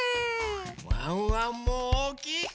ワンワンもおおきいひ